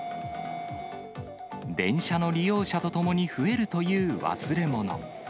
電車の利用者とともに増えるという忘れ物。